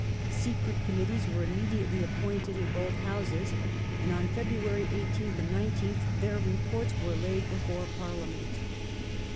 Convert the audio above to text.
Secret Committees were immediately appointed in both Houses, and on February 18th and 19th their Reports were laid before Parliament.